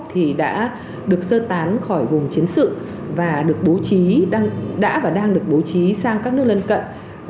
thì đã được sơ tán khỏi vùng chiến sự và được bố trí đã và đang được bố trí sang các nước lân cận